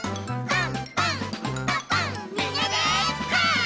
パン！